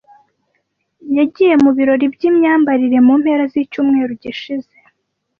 Yagiye mu birori by'imyambarire mu mpera z'icyumweru gishize.